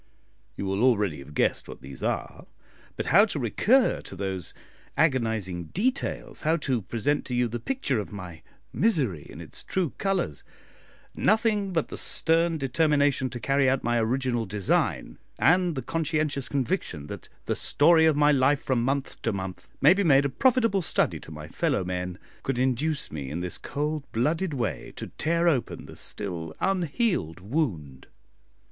You will already have guessed what these are; but how to recur to those agonising details, how to present to you the picture of my misery in its true colours, nothing but the stern determination to carry out my original design, and the conscientious conviction that "the story of my life from month to month" may be made a profitable study to my fellow men, could induce me in this cold blooded way to tear open the still unhealed wound.